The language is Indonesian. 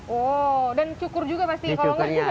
oh dan cukur juga pasti kalau nggak cukur